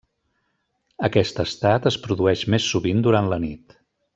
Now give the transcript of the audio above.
Aquest estat es produeix més sovint durant la nit.